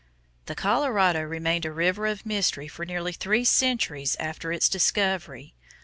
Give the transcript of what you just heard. The Colorado remained a river of mystery for nearly three centuries after its discovery.